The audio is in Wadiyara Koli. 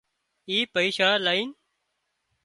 اي پئيشا لئينَ